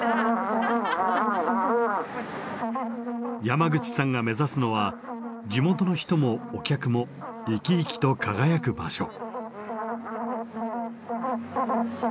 山口さんが目指すのは地元の人もお客も生き生きと輝く場所。